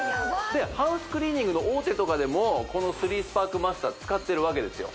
ハウスクリーニングの大手とかでもこの３スパークマスター使ってるわけですよ